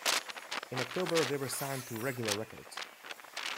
In October they were signed to Regular Records.